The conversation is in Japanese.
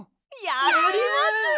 やります！